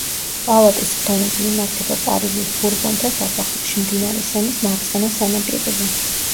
პალატის სხდომები იმართება პარიზის ბურბონთა სასახლეში, მდინარე სენის მარცხენა სანაპიროზე.